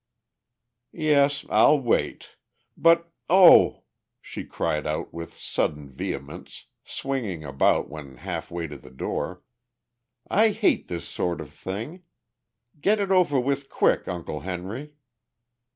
"Yes, I'll wait. But, oh," she cried out with sudden vehemence, swinging about when half way to the door, "I hate this sort of thing! Get it over with quick, Uncle Henry!"